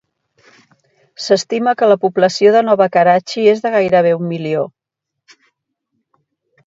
S'estima que la població de Nova Karachi és de gairebé un milió.